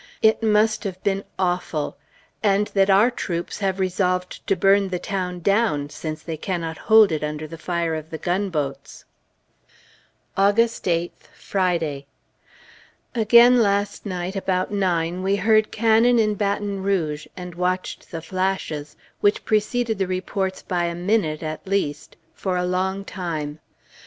It must have been awful! And that our troops have resolved to burn the town down, since they cannot hold it under the fire of the gunboats. August 8th, Friday. Again last night, about nine, we heard cannon in Baton Rouge, and watched the flashes, which preceded the reports by a minute, at least, for a long time.